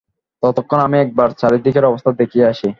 ততক্ষণ আমি একবার চারিদিকের অবস্থা দেখিয়া আসি।